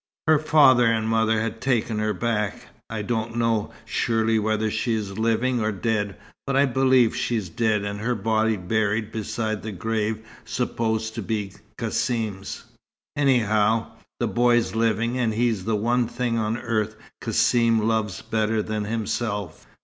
Her father and mother had taken her back. I don't know surely whether she's living or dead, but I believe she's dead, and her body buried beside the grave supposed to be Cassim's. Anyhow, the boy's living, and he's the one thing on earth Cassim loves better than himself."